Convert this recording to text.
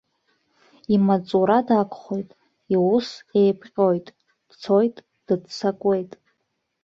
Имаҵура дагхоит, иус еиԥҟьоит, дцоит, дыццакуеит.